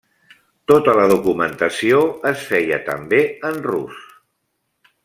Tota la documentació es feia també en rus.